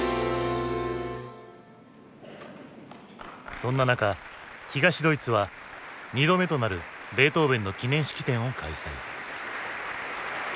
そんな中東ドイツは２度目となるベートーヴェンの記念式典を開催。